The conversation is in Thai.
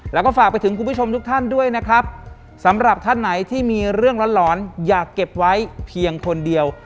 แล้วก็ฝากไปถึงคุณผู้ชมทุกท่านด้วยนะครับสำหรับท่านไหนที่มีเรื่องร้อนหลอนอยากเก็บไว้เพียงคนเดียว